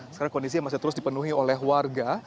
sekarang kondisi yang masih terus dipenuhi oleh warga